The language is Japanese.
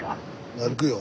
歩くよ。